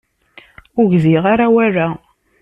Ur gziɣ ara awal-a.